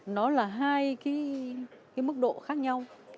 nó là hai cái mức độ khác nhau